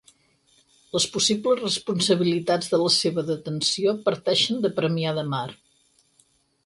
Les possibles responsabilitats de la seva detenció parteixen de Premià de Mar.